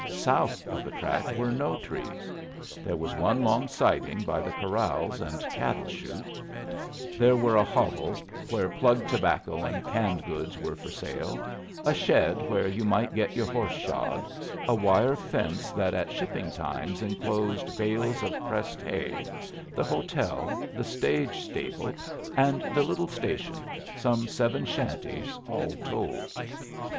South of the track were no trees. There was one long siding by the corrals and cattle chute, there were a hovel where plug tobacco and canned goods were for sale, a shed where you might get your horse shod, a wire fence that at shipping times enclosed bales of pressed hay, the hotel, the stage stable, and the little station some seven shanties all told.